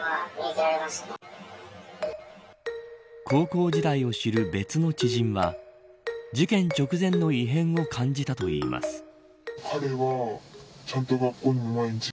高校時代を知る別の知人は事件直前の異変を感じたといいます。